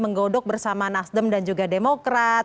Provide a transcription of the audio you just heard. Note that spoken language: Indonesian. menggodok bersama nasdem dan juga demokrat